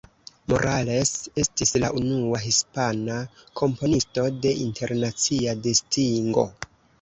Morales estis la unua hispana komponisto de internacia distingo.